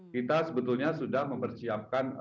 kita sebetulnya sudah mempersiapkan